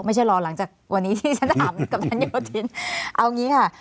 ไม่ใช่รอหลังจากวันนี้ที่ฉันถามกัปตันโยธินเอางี้ค่ะ